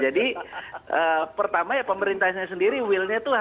jadi pertama pemerintahnya sendiri will nya itu